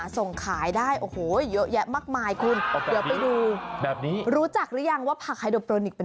ส่งขายได้โอ้โหเยอะแยะมากมายคุณเดี๋ยวไปดู